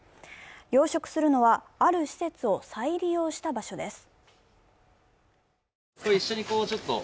養殖するのは、ある施設を再利用した場所です。